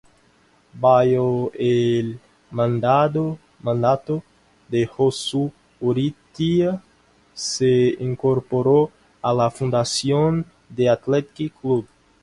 Bajo el mandato de Josu Urrutia, se incorporó a la Fundación del Athletic Club.